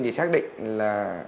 thì xác định là